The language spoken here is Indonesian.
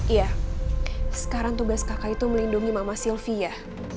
iya sekarang tugas kakak itu melindungi mama sylvia